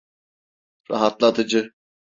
Rahatlatıcı.